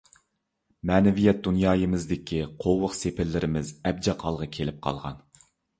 مەنىۋىيەت دۇنيايىمىزدىكى قوۋۇق - سېپىللىرىمىز ئەبجەق ھالغا كېلىپ قالغان.